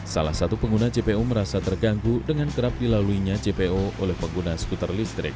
salah satu pengguna jpo merasa terganggu dengan kerap dilaluinya jpo oleh pengguna skuter listrik